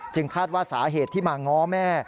คาดว่าสาเหตุที่มาง้อแม่